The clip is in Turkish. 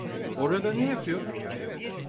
Orada ne yapıyor?